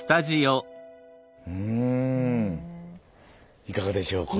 うんいかがでしょうか？